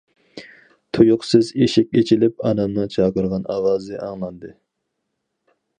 تۇيۇقسىز ئىشىك ئېچىلىپ ئانامنىڭ چاقىرغان ئاۋازى ئاڭلاندى.